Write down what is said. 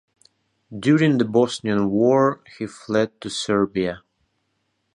During the Bosnian War, he fled to Serbia.